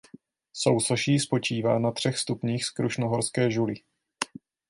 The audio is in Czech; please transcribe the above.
Sousoší spočívá na třech stupních z krušnohorské žuly.